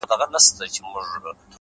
• چي له لستوڼي څخه وشړو ماران وطنه ,